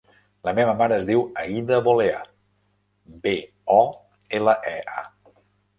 La meva mare es diu Aïda Bolea: be, o, ela, e, a.